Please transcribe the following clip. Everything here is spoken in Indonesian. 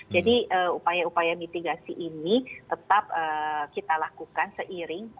jadi upaya upaya mitigasi ini tetap kita lakukan seiring